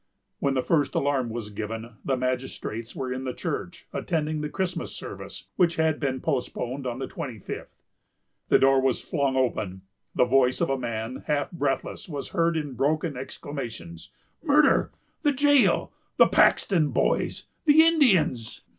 When the first alarm was given, the magistrates were in the church, attending the Christmas service, which had been postponed on the twenty fifth. The door was flung open, and the voice of a man half breathless was heard in broken exclamations, "Murder——the jail——the Paxton Boys——the Indians."